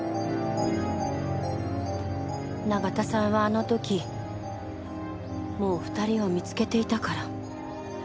永田さんはあの時もう２人を見つけていたから。